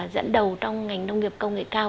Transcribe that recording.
dẫn đầu trong ngành nông nghiệp công nghệ cao